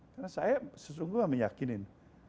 karena saya sesungguhnya meyakinin